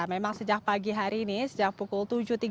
memang sejak pagi hari ini sejak pukul tujuh tiga puluh